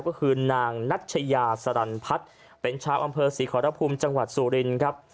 ก็คือนางนัชยาสรรพัฒน์เป็นชาวอำเภอศรีขอรพุมจังหวัดสุรินครับ